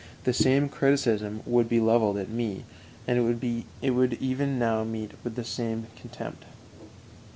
"_), the same criticism would be leveled at me, and it would even now meet with the same contempt.